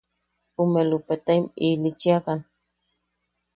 Ume Lupetem ilichiakan.